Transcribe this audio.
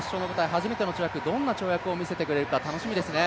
初めての跳躍、どんな跳躍を見せてくれるか楽しみですね。